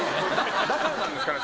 だからなんですかね